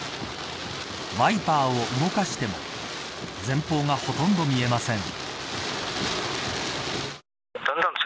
ワイパーを動かしても前方がほとんど見えません。